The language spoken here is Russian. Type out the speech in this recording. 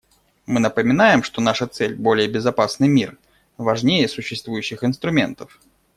Мы напоминаем, что наша цель − более безопасный мир − важнее существующих инструментов.